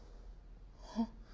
えっ？